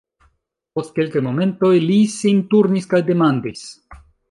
Post kelkaj momentoj li sin turnis kaj demandis: